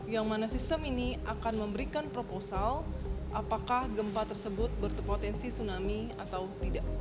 yang mana sistem ini akan memberikan proposal apakah gempa tersebut berpotensi tsunami atau tidak